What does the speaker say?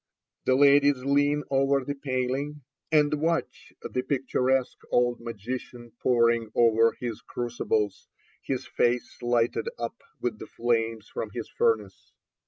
The ladies lean over the paling, and watch the picturesque old magician poring over his crucibles, his face lighted up with the flames from his furnace.